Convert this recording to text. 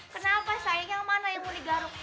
kenapa sayang yang mana yang mau digaruk